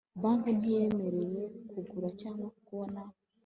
banki ntiyemerewe kugura cyangwa kubona